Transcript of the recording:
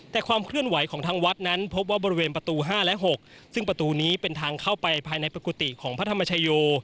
แต่ความเคลื่อนไหวของทางวัดนั้นพบว่าบริเวณประตู๕และ๖ซึ่งประตูนี้เป็นทางเข้าไปภายในกุฏิของพระธรรมชโย